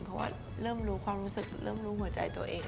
เพราะว่าเริ่มรู้ความรู้สึกเริ่มรู้หัวใจตัวเอง